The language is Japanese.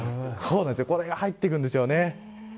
これが入っていくんですよね。